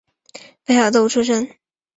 北海道出身。